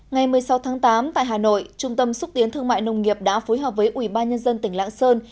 ngày một mươi sáu tháng tám tại hà nội trung tâm xúc tiến thương mại nông nghiệp đã phối hợp với ubnd tỉnh lãng sơn